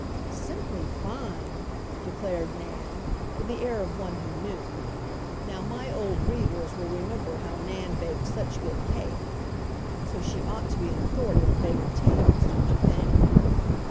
"Simply fine!" declared Nan, with the air of one who knew. Now, my old readers will remember how Nan baked such good cake. So she ought to be an authority on baked potatoes, don't you think?